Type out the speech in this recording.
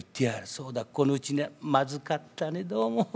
そうだこのうちまずかったねどうも。